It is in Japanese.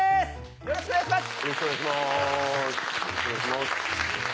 よろしくお願いします。